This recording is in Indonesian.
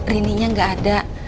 rininya nggak ada